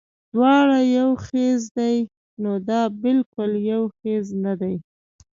دواړه يو څيز دے نو دا بالکل يو څيز نۀ دے